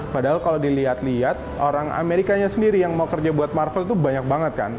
padahal kalau dilihat lihat orang amerikanya sendiri yang mau kerja buat marvel itu banyak banget kan